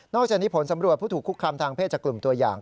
จากนี้ผลสำรวจผู้ถูกคุกคามทางเพศจากกลุ่มตัวอย่าง